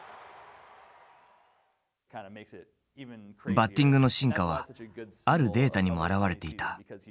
バッティングの進化はあるデータにも表れていた。